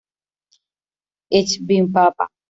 Ich bin Papa!